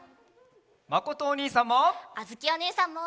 まことおにいさんも！